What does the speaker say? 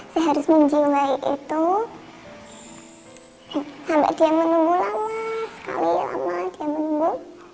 saya harus menjiwai itu sampai dia menunggu lama sekali apalagi dia menunggu